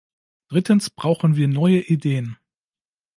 Drittens brauchen wir neue Ideen.